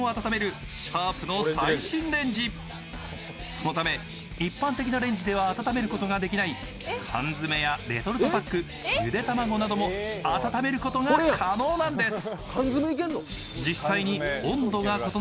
そのため、一般的なレンジでは温めることができない缶詰やレトルトパック、ゆで卵なども温めることが可能なんです。